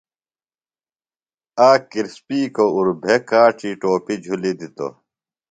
آک کرِسپیکوۡ اُربھے کاڇی ٹوپیۡ جُھلیۡ دِتوۡ۔